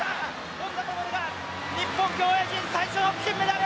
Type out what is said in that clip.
本多灯が日本競泳陣最初の金メダル！